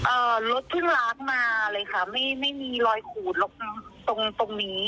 รถเพิ่งล้างมาเลยค่ะไม่ไม่มีรอยขูดตรงตรงนี้